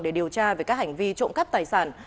để điều tra về các hành vi trộm cắp tài sản